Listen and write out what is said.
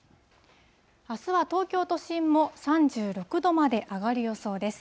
あすは東京都心も３６度まで上がる予想です。